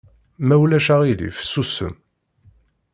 Ma ulac aɣilif susem!